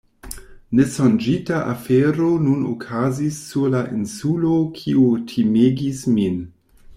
Nesonĝita afero nun okazis sur la insulo kiu timegis min.